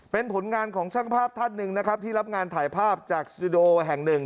เป็นผลงานของช่างภาพท่านหนึ่งนะครับที่รับงานถ่ายภาพจากสตูดิโดแห่งหนึ่ง